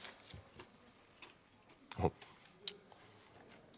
あっ。